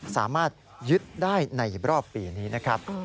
สามารถยึดได้ในรอบปีนี้นะครับ